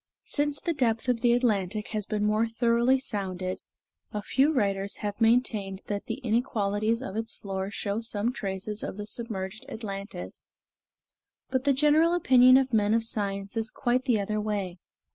Since the depth of the Atlantic has been more thoroughly sounded, a few writers have maintained that the inequalities of its floor show some traces of the submerged Atlantis, but the general opinion of men of science is quite the other way.